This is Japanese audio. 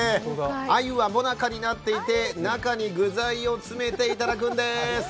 あゆはもなかになっていて中に具材を詰めていただくんです。